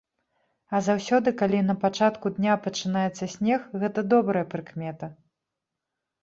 А заўсёды калі на пачатку дня пачынаецца снег, гэта добрая прыкмета.